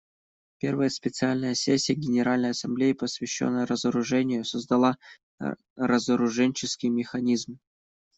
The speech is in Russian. Первая специальная сессия Генеральной Ассамблеи, посвященная разоружению, создала разоруженческий механизм.